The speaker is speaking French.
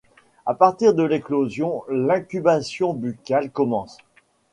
À partir de l'éclosion, l'incubation buccale commence.